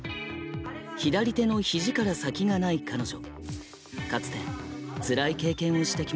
左手のひじから先がない彼女。